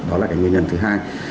đó là cái nguyên nhân thứ hai